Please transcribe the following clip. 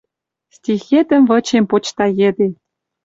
Стихетӹм вычем почта йӹде